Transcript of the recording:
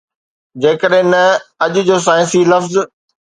جيڪڏهن نه، اڄ جو سائنسي لفظ